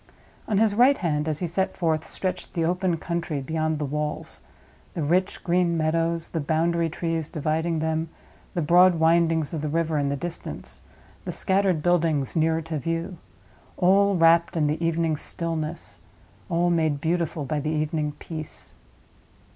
On his right hand, as he set forth, stretched the open country beyond the walls—the rich green meadows, the boundary trees dividing them, the broad windings of the river in the distance, the scattered buildings nearer to view; all wrapped in the evening stillness, all made beautiful by the evening peace.